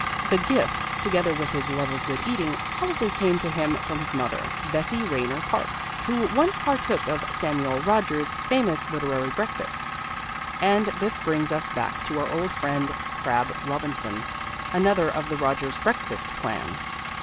The gift, together with his love of good eating, probably came to him from his mother, Bessie Rayner Parkes, who once partook of Samuel Rogers's famous literary breakfasts. And this brings us back to our old friend Crabb Robinson, another of the Rogers breakfast clan.